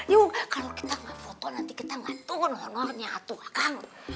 yuk kalau kita gak foto nanti kita ngantuk ngor ngor nyatu kang